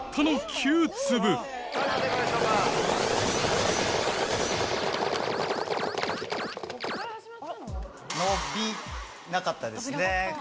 伸びなかったですね。